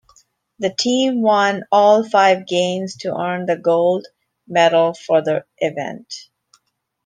The team won all five games to earn the gold medal for the event.